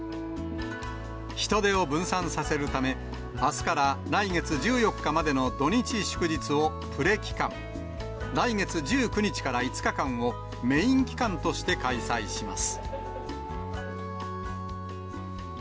人出を分散させるため、あすから来月１４日までの土日祝日をプレ期間、来月１９日から５日間をメイン期間として開催します。